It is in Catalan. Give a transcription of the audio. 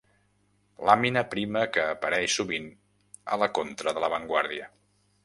Làmina prima que apareix sovint a la contra de La Vanguardia.